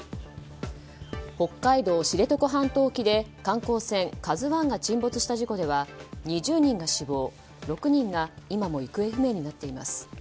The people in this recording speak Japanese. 北海道知床半島沖で観光船「ＫＡＺＵ１」が沈没した事故では２０人が死亡６人が今も行方不明になっています。